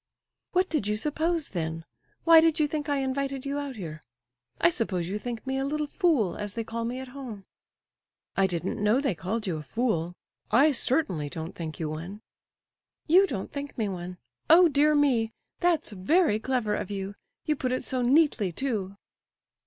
"What did you suppose, then? Why did you think I invited you out here? I suppose you think me a 'little fool,' as they all call me at home?" "I didn't know they called you a fool. I certainly don't think you one." "You don't think me one! Oh, dear me!—that's very clever of you; you put it so neatly, too."